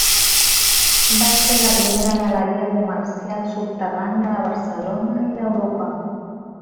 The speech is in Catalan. Va ser la primera galeria comercial subterrània de Barcelona i d'Europa.